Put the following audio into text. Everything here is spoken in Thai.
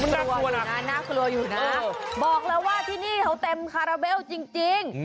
น่ากลัวนะน่ากลัวอยู่นะบอกแล้วว่าที่นี่เขาเต็มคาราเบลจริง